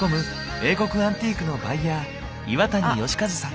英国アンティークのバイヤー岩谷好和さん。